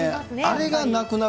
あれがなくなる。